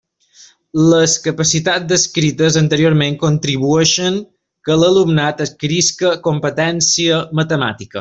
Les capacitats descrites anteriorment contribuïxen que l'alumnat adquirisca competència matemàtica.